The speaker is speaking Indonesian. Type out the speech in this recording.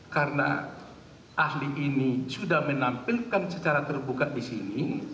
karena ahli ini sudah menampilkan secara terbuka di sini